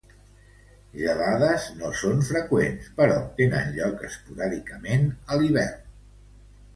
Gelades no són freqüents, però tenen lloc esporàdicament a l'hivern.